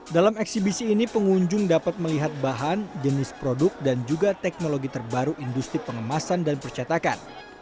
dalam eksibisi ini pengunjung dapat melihat bahan jenis produk dan juga teknologi terbaru industri pengemasan dan percatakan